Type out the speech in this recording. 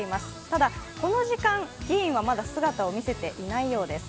ただこの時間、議員はまだ姿を見せていないようです。